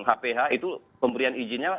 hph itu pemberian izinnya